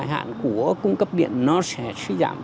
cái vấn đề của cung cấp điện nó sẽ trí giảm